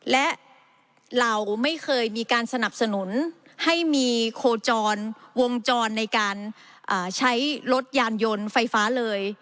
และเราไม่เคยมีการสนับสนุนให้มีโคจรวงจรในการใช้รถยานยนต์ไฟฟ้าเลย